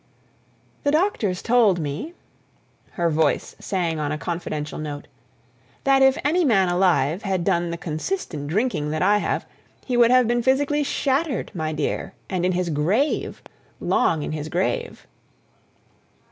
"The doctors told me"—her voice sang on a confidential note—"that if any man alive had done the consistent drinking that I have, he would have been physically shattered, my dear, and in his grave—long in his grave."